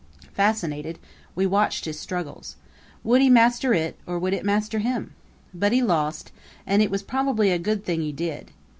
Fascinated, we watched his struggles. Would he master it or would it master him? But he lost, and it was probably a good thing he did.